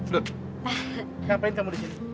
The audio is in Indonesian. lut ngapain kamu disini